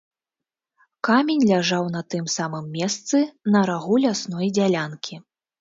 Камень ляжаў на тым самым месцы, на рагу лясной дзялянкі.